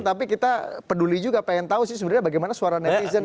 tapi kita peduli juga pengen tahu sih sebenarnya bagaimana suara netizen